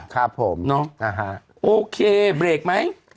ครับผมโอเคเบรกไหม